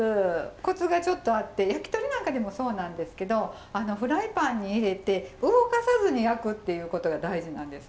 コツがちょっとあって焼き鳥なんかでもそうなんですけどフライパンに入れて動かさずに焼くっていうことが大事なんです。